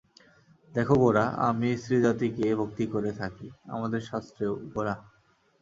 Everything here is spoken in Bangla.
দেখো গোরা, আমি স্ত্রীজাতিকে ভক্তি করে থাকি–আমাদের শাস্ত্রেও– গোরা।